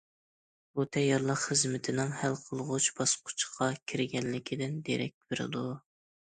بۇ، تەييارلىق خىزمىتىنىڭ ھەل قىلغۇچ باسقۇچقا كىرگەنلىكىدىن دېرەك بېرىدۇ.